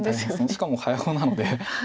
しかも早碁なので。